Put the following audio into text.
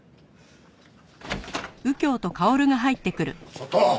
ちょっと！